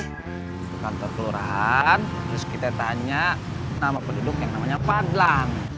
kita ke kantor kelurahan terus kita tanya nama penduduk yang namanya padlan